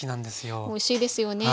おいしいですよね。